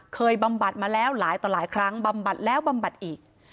บำบัดมาแล้วหลายต่อหลายครั้งบำบัดแล้วบำบัดอีก